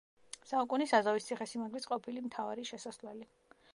საუკუნის აზოვის ციხესიმაგრის ყოფილი მთავარი შესასვლელი.